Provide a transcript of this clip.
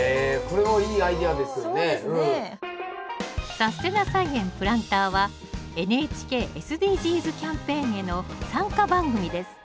「さすてな菜園プランター」はＮＨＫ・ＳＤＧｓキャンペーンへの参加番組です。